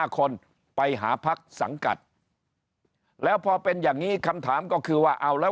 คนไปหาพักสังกัดแล้วพอเป็นอย่างนี้คำถามก็คือว่าเอาแล้ว